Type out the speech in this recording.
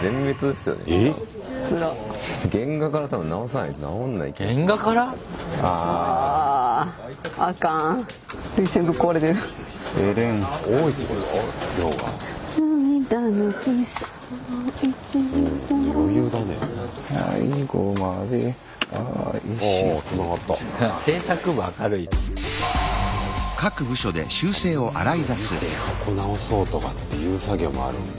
あみんなで見てここ直そうとかっていう作業もあるんだ。